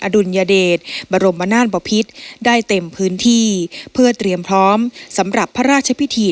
ดุลยเดชบรมนาศบพิษได้เต็มพื้นที่เพื่อเตรียมพร้อมสำหรับพระราชพิธี